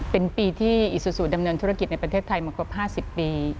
เป็นปีที่อิซูซูดำเนินธุรกิจในประเทศไทยมากว่า๕๐ปี